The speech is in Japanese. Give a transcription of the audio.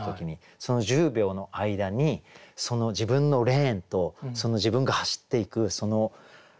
その１０秒の間に自分のレーンと自分が走っていくその何て言ったら。